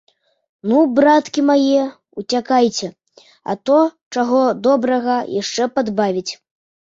Ну, браткі мае, уцякайце, а то, чаго добрага, яшчэ падбавіць.